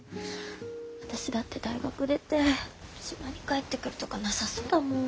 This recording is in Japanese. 私だって大学出て島に帰ってくるとかなさそうだもん。